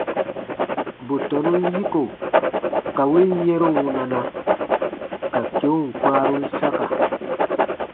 Bù tɔnun yiko ka win yɛ̃ru wunana, ka keun kpãarun saka.